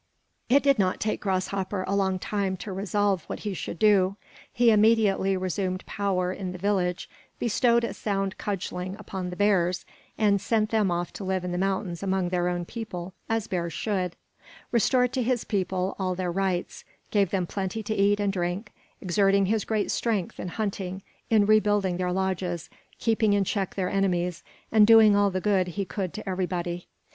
It did not take Grasshopper a long time to resolve what he should do. He immediately resumed power in the village, bestowed a sound cudgeling upon the bears, and sent them off to live in the mountains among their own people, as bears should; restored to his people all their rights; gave them plenty to eat and drink; exerting his great strength in hunting, in rebuilding their lodges, keeping in check their enemies, and doing all the good he could to everybody.